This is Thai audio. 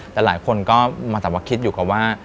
แต่หลายคนก็มาแต่ว่าคิดอยู่กับว่า